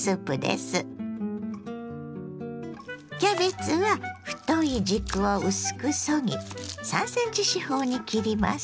キャベツは太い軸を薄くそぎ３ｃｍ四方に切ります。